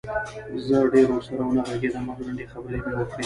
زه ډېر ورسره ونه غږېدم او لنډې خبرې مې وکړې